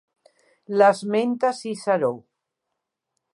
L'esmenta Ciceró.